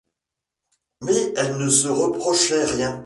Mais elle ne se reprochait rien.